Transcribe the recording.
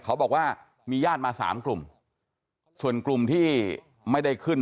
เขาบอกว่ามีญาติมาสามกลุ่มส่วนกลุ่มที่ไม่ได้ขึ้น